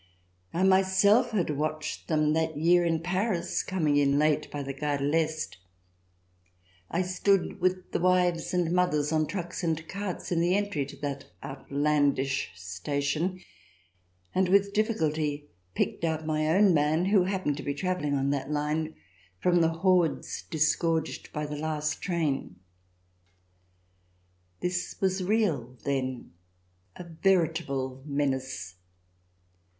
I myself had watched them that year in Paris, coming in late by the Gare de I'Est. I stood with the wives and mothers on trucks and carts in the entry to that outlandish station, and with dif ficulty picked out my own man, who happened to be travelling on that line, from the hordes disgorged by the last train. This was real, then, a veritable menace.